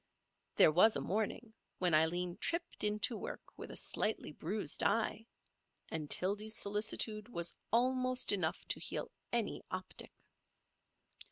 There was a morning when Aileen tripped in to work with a slightly bruised eye; and Tildy's solicitude was almost enough to heal any optic.